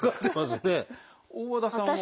大和田さんは？